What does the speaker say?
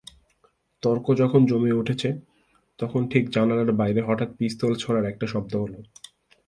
তর্ক যখন জমে উঠেছে তখন ঠিক জানালার বাইরে হঠাৎ পিস্তল ছোড়ার একটা শব্দ হল।